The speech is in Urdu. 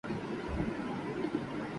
کیا آپ انگریزی بولتے ہیں؟